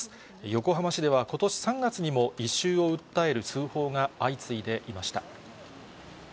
横浜市ではことし３月にも、異臭を訴える通報が相次いでいました。